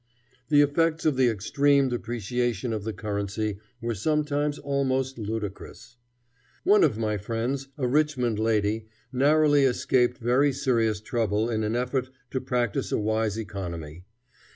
The effects of the extreme depreciation of the currency were sometimes almost ludicrous. One of my friends, a Richmond lady, narrowly escaped very serious trouble in an effort to practice a wise economy.